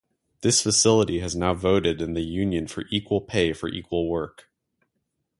This facility has now voted in the union for equal pay for equal work.